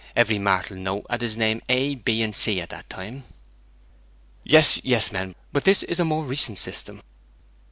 Every martel note had his name of A, B, C, at that time.' 'Yes, yes, men; but this is a more recent system!'